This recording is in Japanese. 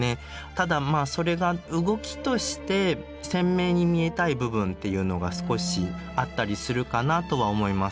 ただまあそれが動きとして鮮明に見えたい部分っていうのが少しあったりするかなとは思います。